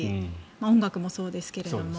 音楽もそうですけれども。